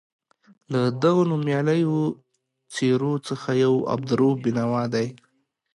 له دغو نومیالیو څېرو څخه یو عبدالرؤف بېنوا دی.